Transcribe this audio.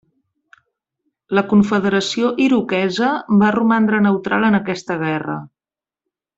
La Confederació Iroquesa va romandre neutral en aquesta guerra.